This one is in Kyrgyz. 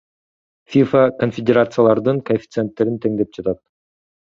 ФИФА конфедерациялардын коэффициенттерин теңдеп жатат